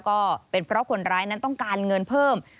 ก็เป็นเพราะคนร้ายนั้นต้องการเงินเพิ่ม